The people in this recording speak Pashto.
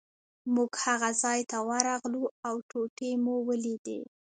موږ هغه ځای ته ورغلو او ټوټې مو ولیدې.